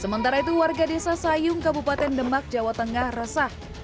sementara itu warga desa sayung kabupaten demak jawa tengah resah